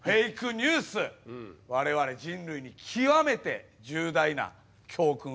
ニュース我々人類に極めて重大な教訓を与えてくれます。